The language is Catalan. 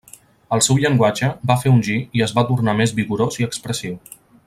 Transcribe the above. El seu llenguatge va fer un gir i es va tornar més vigorós i expressiu.